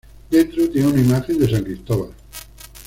Dentro tiene una imagen de San Cristóbal.